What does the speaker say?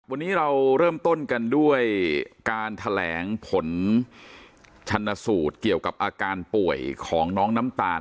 วันนี้เราเริ่มต้นกันด้วยการแถลงผลชนสูตรเกี่ยวกับอาการป่วยของน้องน้ำตาล